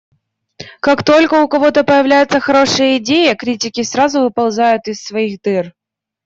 Как только у кого-то появляется хорошая идея, критики сразу выползают из своих дыр.